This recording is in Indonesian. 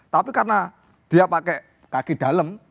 tapi karena dia pakai kaki dalam